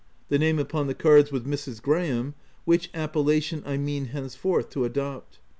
The name upon the cards was Mrs. Graham, which appellation I mean henceforth to adopt.